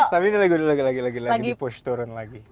tapi ini udah lagi lagi di push turun lagi